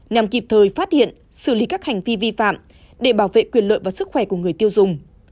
nhằm kịp thời phát hiện xử lý các hành vi vi phạm để bảo vệ quyền lợi và sức khỏe của người tiêu dùng